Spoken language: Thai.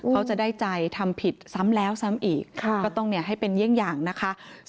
เขาจะได้ใจทำผิดซ้ำแล้วซ้ำอีกก็ต้องให้เป็นเยี่ยงอย่างนะคะ